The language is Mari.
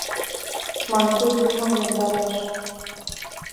Мандур лӱмым йомдараш?..